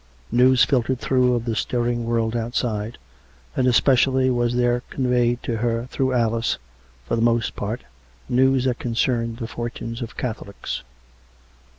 News filtered through of the stirring world outside, and especially was there conveyed to her, through Alice for the most part, news that concerned the fortunes of Catholics.